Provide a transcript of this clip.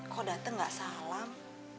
kau dateng gak salam